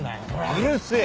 うるせぇ！